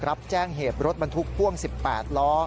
รับแจ้งเหตุรถบรรทุกพ่วง๑๘ล้อ